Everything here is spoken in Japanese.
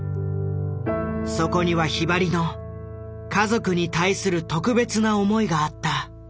そこにはひばりの家族に対する特別な思いがあった。